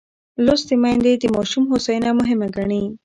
لوستې میندې د ماشوم هوساینه مهمه ګڼي.